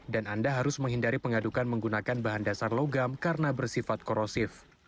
dan anda harus menghindari pengadukan menggunakan bahan dasar logam karena bersifat korosif